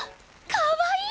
かわいい！